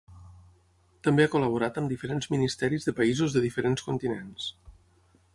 També ha col·laborat amb diferents ministeris de països de diferents continents.